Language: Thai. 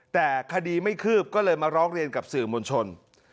แต่คดีไม่คืบก็เลยมาร้องเรียนกับสื่อมวลชน